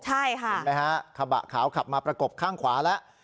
เห็นไหมฮะกระบะขาวขับมาประกบข้างขวาแล้ว